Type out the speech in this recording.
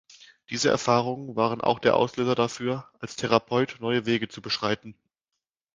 Diese Erfahrungen waren auch der Auslöser dafür, als Therapeut neue Wege zu beschreiten.